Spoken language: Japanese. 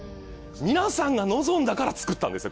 皆さんが望んだから作ったんですよ